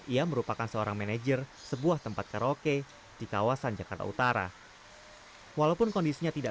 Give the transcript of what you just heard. ia merupakan seorang manajer sebuah tempat karaoke di kawasan jakarta utara walaupun kondisinya tidak